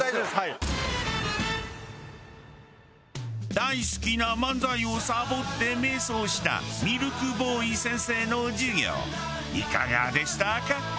大好きな漫才をサボって迷走したミルクボーイ先生の授業いかがでしたか？